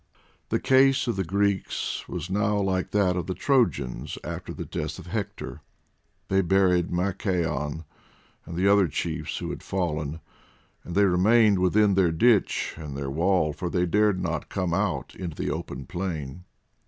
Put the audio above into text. The case of the Greeks was now like that of the Trojans after the death of Hector. They buried Machaon and the other chiefs who had fallen, and they remained within their ditch and their wall, for they dared not come out into the open plain.